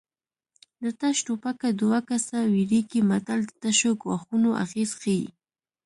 د تش ټوپکه دوه کسه ویرېږي متل د تشو ګواښونو اغېز ښيي